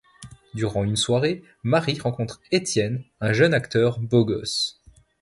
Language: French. Durant une soirée, Marie rencontre Etienne, un jeune acteur beau gosse.